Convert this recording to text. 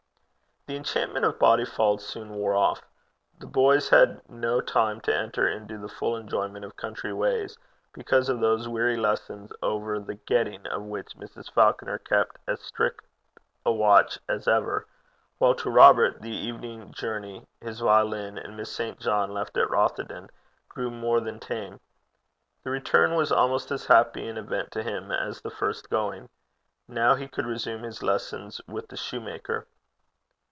The enchantment of Bodyfauld soon wore off. The boys had no time to enter into the full enjoyment of country ways, because of those weary lessons, over the getting of which Mrs. Falconer kept as strict a watch as ever; while to Robert the evening journey, his violin and Miss St. John left at Rothieden, grew more than tame. The return was almost as happy an event to him as the first going. Now he could resume his lessons with the soutar.